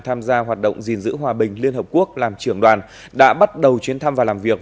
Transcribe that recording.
tham gia hoạt động gìn giữ hòa bình liên hợp quốc làm trưởng đoàn đã bắt đầu chuyến thăm và làm việc